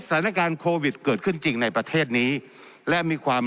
สถานการณ์โควิดเกิดขึ้นจริงในประเทศนี้และมีความ